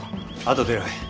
後でよい。